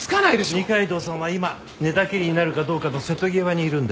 二階堂さんは今寝たきりになるかどうかの瀬戸際にいるんです。